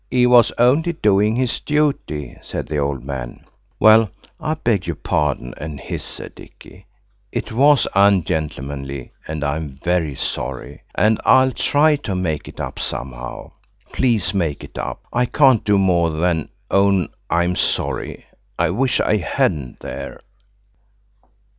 "He was only a doing of his duty," the old man said. "Well, I beg your pardon and his," said Dicky; "it was ungentlemanly, and I'm very sorry. And I'll try to make it up somehow. Please make it up. I can't do more than own I'm sorry. I wish I hadn't–there!"